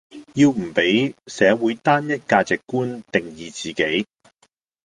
要唔比社會單一價值觀定義自己